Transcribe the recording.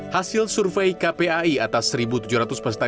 hasil survei kpai atas satu tujuh ratus peserta